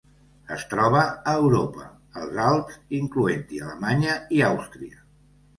Es troba a Europa: els Alps, incloent-hi Alemanya i Àustria.